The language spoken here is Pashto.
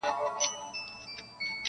او کوښښ کوي چي د ده شعر -